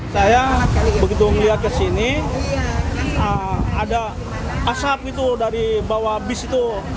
saya begitu melihat ke sini ada asap itu dari bawah bis itu